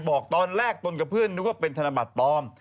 บอกตอนแรกตนกับเพื่อนนึกว่าเป็นธนบัตรปลอม